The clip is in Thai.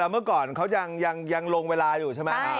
เมื่อก่อนเขายังลงเวลาอยู่ใช่ไหม